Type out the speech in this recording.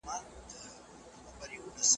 سایبر امنیت د ډیجیټلي اړیکو خوندیتوب تضمینوي.